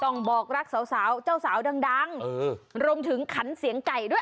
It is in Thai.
ต้องบอกรักสาวเจ้าสาวดังรวมถึงขันเสียงไก่ด้วย